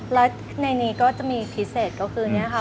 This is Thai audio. และในนี้ก็จะมีพิเศษก็คือนี่ค่ะ